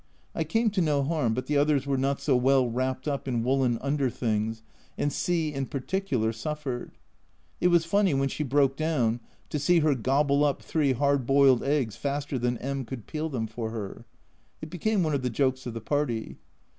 I came to no harm, but the others were not so well wrapped up in woollen under things, and C in particular suffered. It was funny, when she broke down, to see her gobble up three hard boiled eggs faster than M could peel them for her! It became one of the jokes of the party.